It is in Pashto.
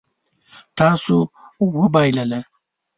تاسو وبایلله